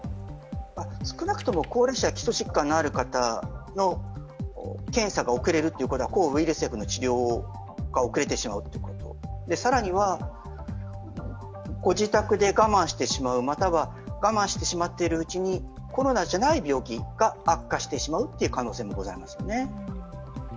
少なくとも高齢者、基礎疾患のある方の検査が遅れるということは抗ウイルス薬の治療が遅れてしまうということ、更には、ご自宅で我慢してしまうまたは我慢しているうちにコロナじゃない病気が悪化してしまう可能性もありますよね。